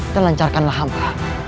dan lancarkanlah hamba